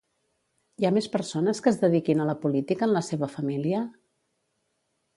Hi ha més persones que es dediquin a la política en la seva família?